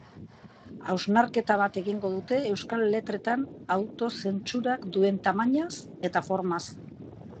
Hausnarketa bat egingo dute euskal letretan auto-zentsurak duen tamainaz eta formaz.